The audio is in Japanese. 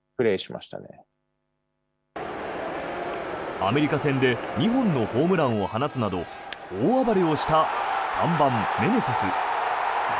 アメリカ戦で２本のホームランを放つなど大暴れをした３番、メネセス。